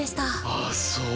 あっそう。